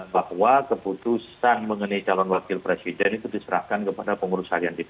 bahwa keputusan mengenai calon wakil presiden itu diserahkan kepada pengurus harian dpd